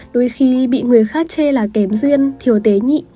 đôi khi bị người khác chê là kém duyên thiếu tế nhị